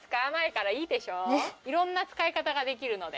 いろんな使い方ができるので。